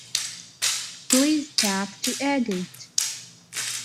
Please tap to edit.